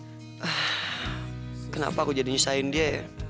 ah kenapa aku jadi nyesahin dia ya